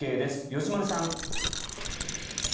吉丸さん。